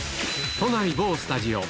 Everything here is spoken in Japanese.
都内某スタジオ。